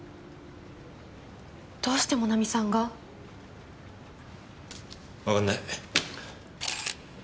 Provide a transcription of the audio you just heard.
どうしてもなみさんが？わかんない。